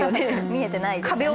見えてないですね。